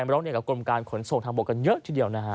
ร้องเรียนกับกรมการขนส่งทางบกกันเยอะทีเดียวนะฮะ